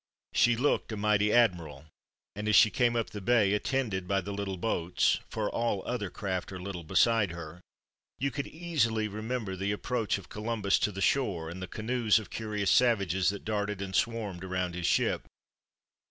She looked a mighty admiral; and as she came up the bay, attended by the little boats for all other craft are little beside her you could easily remember the approach of Columbus to the shore and the canoes of curious savages that darted and swarmed around his ship.